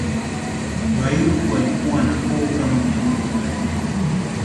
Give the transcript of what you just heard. Bairu walikuwa na koo kama mia moja thelathini